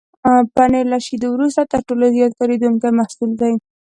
پنېر له شيدو وروسته تر ټولو زیات کارېدونکی محصول دی.